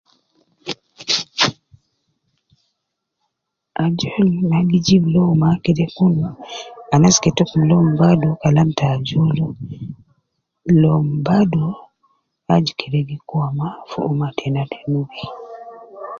Ajol mma gi jib louma kede kun, anas ketokum loum badu kalam ta ajol, loum badu aju kede gi kuwa mma fi ummah tena ta nubi